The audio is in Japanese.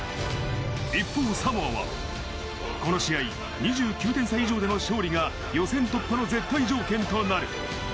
一方、サモアはこの試合、２９点差以上での勝利が予選突破の絶対条件となる。